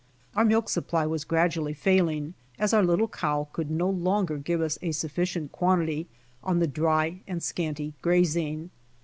Our milk supply was gradually failing as our little cow could no longer give us a sufficient quantity on the dry and scanty grazing.